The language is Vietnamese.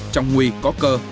trong nguy có cơ